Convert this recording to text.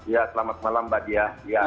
ya selamat malam mbak diah